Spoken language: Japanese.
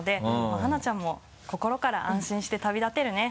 まぁ初奈ちゃんも心から安心して旅立てるね。